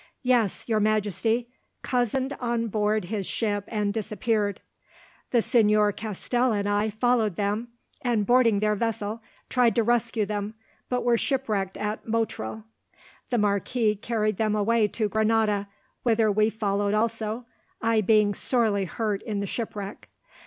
"Yes, your Majesty, cozened on board his ship and kidnapped. The Señor Castell and I followed them, and, boarding their vessel, tried to rescue them, but were shipwrecked at Motril. The marquis carried them away to Granada, whither we followed also, I being sorely hurt in the shipwreck.